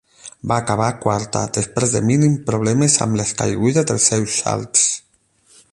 Va acabar quarta, després de mínims problemes amb les caigudes dels seus salts.